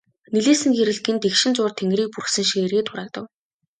Нэлийсэн гэрэл гэнэт эгшин зуур тэнгэрийг бүрхсэн шигээ эргээд хураагдав.